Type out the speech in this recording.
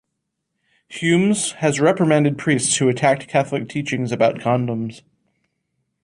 Hummes has reprimanded priests who attack Catholic teachings about condoms.